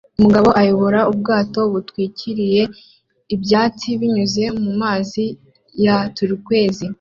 Umugabo ayobora ubwato butwikiriye ibyatsi binyuze mumazi ya turquoise